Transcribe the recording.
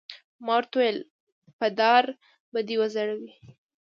ما ورته وویل: په دار به دې وځړوي.